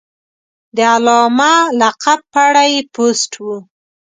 د علامه لقب په اړه یې پوسټ و.